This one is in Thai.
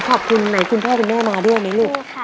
ขอบคุณไหนคุณพ่อคุณแม่มาด้วยไหมลูก